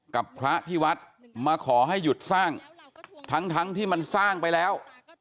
กับพระที่วัดมาขอให้หยุดสร้างทั้งที่มันสร้างไปแล้ว